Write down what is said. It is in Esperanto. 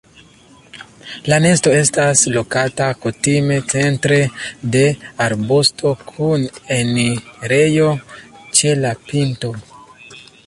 La nesto estas lokata kutime centre de arbusto kun enirejo ĉe la pinto.